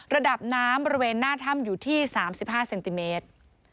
ระดับน้ำบริเวณหน้าถ้ำอยู่ที่๓๕เซนติเมตร